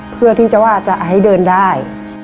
เพื่อที่จะว่าจะให้เดินได้